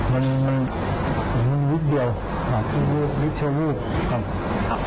มันมีวิทย์เดียวมีวิทย์ชั่ววูบ